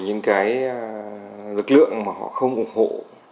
những cái lực lượng mà họ không ủng hộ